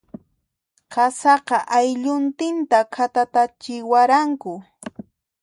Qasaqa, aylluntinta khatatatachiwaranku.